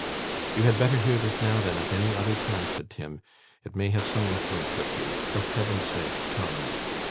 'You had better hear this now, than at any other time,' said Tim; 'it may have some influence with you. For Heaven's sake come!